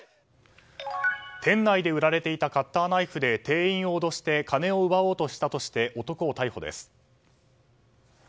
店内で売られていたカッターナイフで店員を脅して金を奪おうとしたとして男を逮捕です。